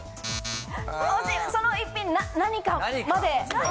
惜しいその１品何かまで。